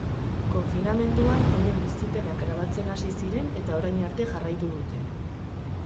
Konfinamenduan euren bizipenak grabatzen hasi ziren eta orain arte jarraitu dute.